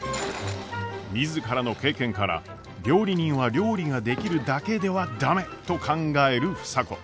自らの経験から料理人は料理ができるだけでは駄目と考える房子。